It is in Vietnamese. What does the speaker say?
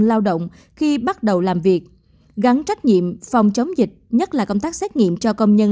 lao động khi bắt đầu làm việc gắn trách nhiệm phòng chống dịch nhất là công tác xét nghiệm cho công nhân